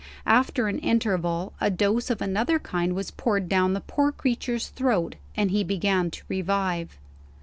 After an interval, a dose of another kind was poured down the poor creature's throat, and he began to revive.